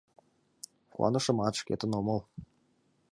Куанышымат: шкетын омыл.